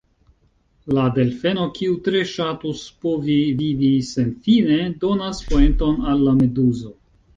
La delfeno, kiu tre ŝatus povi vivi senfine, donas poenton al la meduzo.